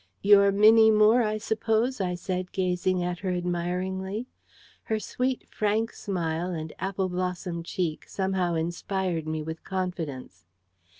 "You're Minnie Moore, I suppose?" I said, gazing at her admiringly. Her sweet, frank smile and apple blossom cheek somehow inspired me with confidence.